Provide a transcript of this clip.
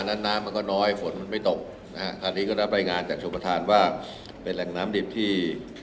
น้ำมันก็น้อยฝนมันไม่ตกอันนี้ก็ได้รายงานจากชุมภาษาว่าเป็นแห่งน้ำดิบที่